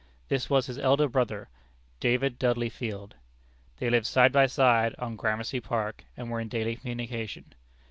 This was his eldest brother, David Dudley Field. They lived side by side on Gramercy Park, and were in daily communication.